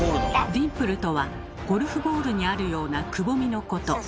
「ディンプル」とはゴルフボールにあるようなくぼみのこと。